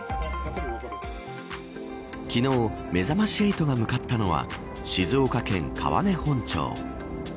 昨日、めざまし８が向かったのは静岡県川根本町。